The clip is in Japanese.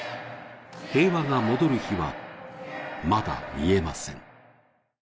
平和が戻る日は、まだ見えません。